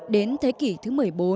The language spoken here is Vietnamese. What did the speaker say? đến thế kỷ thứ một mươi bốn